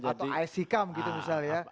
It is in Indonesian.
atau ickm gitu misalnya